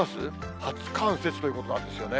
初冠雪ということなんですよね。